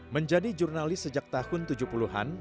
menjadi jurnalis sejak tahun tujuh puluh an